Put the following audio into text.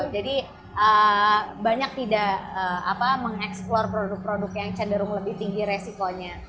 jadi banyak tidak mengeksplore produk produk yang cenderung lebih tinggi resikonya